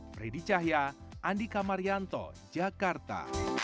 fredy cahya andika marianto jakarta